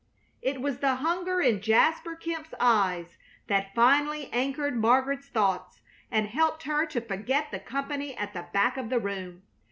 It was the hunger in Jasper Kemp's eyes that finally anchored Margaret's thoughts and helped her to forget the company at the back of the room.